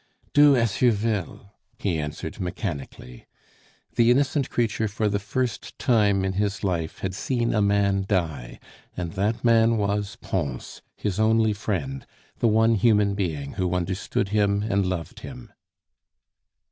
"Do as you vill " he answered mechanically. The innocent creature for the first time in his life had seen a man die, and that man was Pons, his only friend, the one human being who understood him and loved him.